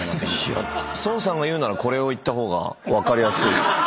孫さんが言うならこれを言った方が分かりやすい。